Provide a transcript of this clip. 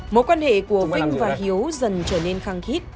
mối quan hệ của vinh và hiếu dần trở nên khăng khít